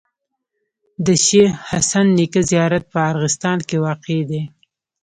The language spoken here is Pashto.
د شيخ حسن نیکه زیارت په ارغستان کي واقع دی.